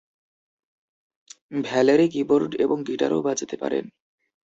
Valerie keyboard এবং গিটারও বাজাতে পারেন।